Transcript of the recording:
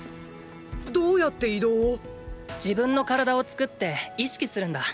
どうやって移動を⁉自分の体を作って意識するんだ。